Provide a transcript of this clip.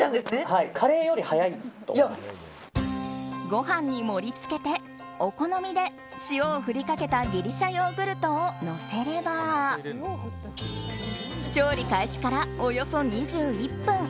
ご飯に盛り付けてお好みで塩を振りかけたギリシャヨーグルトをのせれば調理開始からおよそ２１分。